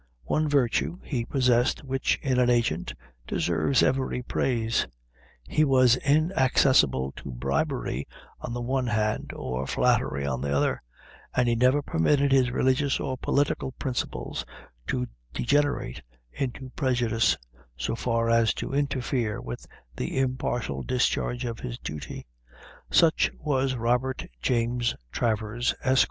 One virtue he possessed, which, in an agent, deserves every praise; he was inaccessible to bribery on the one hand, or flattery on the other; and he never permitted his religious or political principles to degenerate into prejudice, so far as to interfere with the impartial discharge of his duty. Such was Robert James Travers, Esq.